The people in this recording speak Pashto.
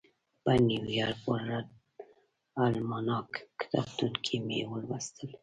په نیویارک ورلډ الماناک کتابتون کې مې ولوستل.